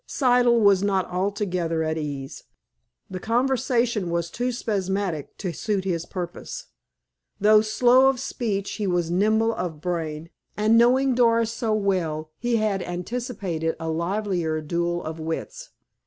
Siddle was not altogether at ease. The conversation was too spasmodic to suit his purpose. Though slow of speech he was nimble of brain, and, knowing Doris so well, he had anticipated a livelier duel of wits.